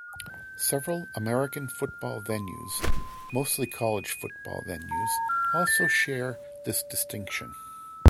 Several American football venues, mostly college football venues, also share this distinction.